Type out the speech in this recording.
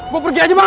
gue pergi aja mah